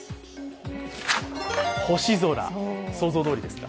星空、想像どおりですか。